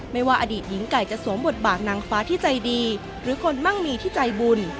ว่าอดีตหญิงไก่จะสวมบทบาทนางฟ้าที่ใจดีหรือคนมั่งมีที่ใจบุญ